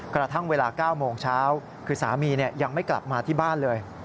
กระทั่งเวลา๙โมงเช้าคือสามียังไม่กลับมาที่บ้านเลย